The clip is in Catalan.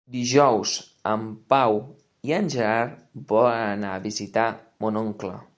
Dijous en Pau i en Gerard volen anar a visitar mon oncle.